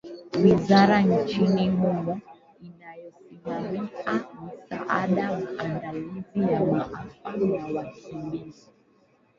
wizara nchini humo inayosimamia misaada maandalizi ya maafa na wakimbizi